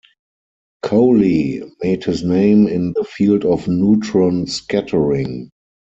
Cowley made his name in the field of neutron scattering.